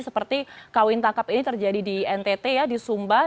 seperti kawin tangkap ini terjadi di ntt ya di sumba